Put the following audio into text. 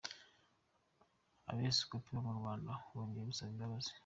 Abepiskopi bo mu Rwanda bongeye gusaba imbabazi .